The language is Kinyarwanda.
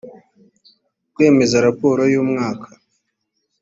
kwemeza raporo y umwaka